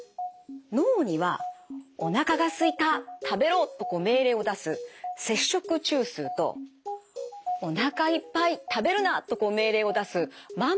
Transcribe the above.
脳には「おなかがすいた食べろ！」と命令を出す摂食中枢と「おなかいっぱい食べるな！」と命令を出す満腹中枢